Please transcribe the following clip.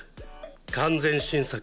完全新作！